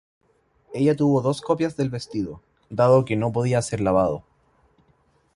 Ella tuvo dos copias del vestido, dado que no podía ser lavado.